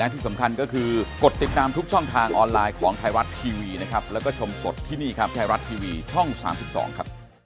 ที่ไทยรัตน์ทีวีช่อง๓๒ครับ